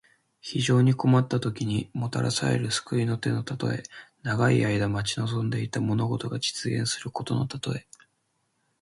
非常に困ったときに、もたらされる救いの手のたとえ。長い間待ち望んでいた物事が実現することのたとえ。